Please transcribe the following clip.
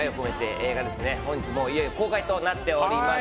映画ですね、本日いよいよ公開となっております。